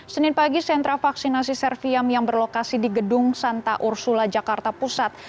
senin pagi sentra vaksinasi serviam yang berlokasi di gedung santa ursula jakarta pusat